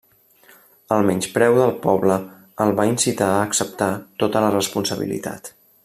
El menyspreu del poble el va incitar a acceptar tota la responsabilitat.